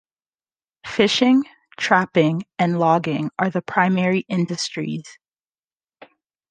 Fishing, trapping and logging are the primary industries.